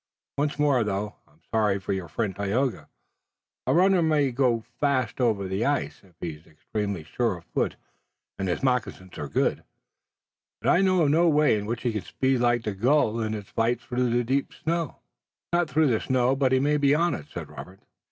Once more, though, I'm sorry for your friend, Tayoga. A runner may go fast over ice, if he's extremely sure of foot and his moccasins are good, but I know of no way in which he can speed like the gull in its flight through deep snow." "Not through the snow, but he may be on it," said Robert.